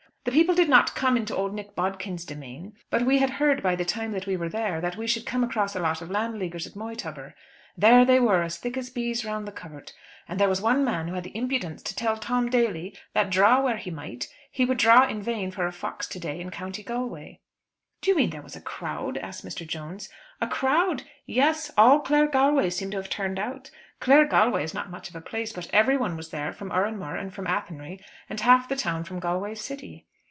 The people did not come into old Nick Bodkin's demesne, but we had heard by the time that we were there that we should come across a lot of Landleaguers at Moytubber. There they were as thick as bees round the covert, and there was one man who had the impudence to tell Tom Daly that draw where he might, he would draw in vain for a fox to day in County Galway." "Do you mean that there was a crowd?" asked Mr. Jones. "A crowd! Yes, all Claregalway seemed to have turned out. Claregalway is not much of a place, but everyone was there from Oranmore and from Athenry, and half the town from Galway city."